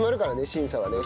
審査はね。